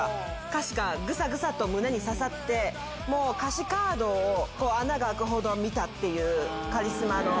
歌詞がグサグサと胸に刺さって歌詞カードを穴が開くほど見たっていうカリスマの。